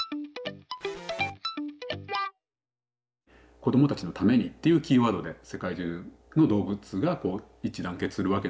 「子どもたちのために」っていうキーワードで世界中の動物がこう一致団結するわけなんですけど。